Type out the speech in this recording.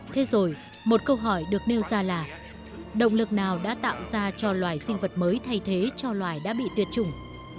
thế rồi một câu hỏi được nêu ra là động lực nào đã tạo ra cho loài sinh vật mới thay thế cho loài đã bị tuyệt chủng